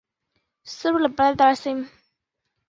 北斗神拳的剧情约略可分为以下部分。